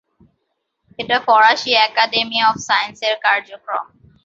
এটা ফরাসি academy of সায়েন্সের কার্যক্রম।